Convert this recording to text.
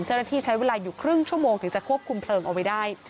เจ้าหน้าที่ใช้เวลาอยู่ครึ่งชั่วโมงถึงจะควบคุมเพลิงเอาไว้ได้